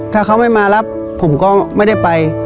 ถ้าเขาไม่มารับผมก็ไม่ได้ไป